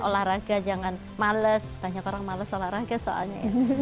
olahraga jangan males tanya ke orang males olahraga soalnya ya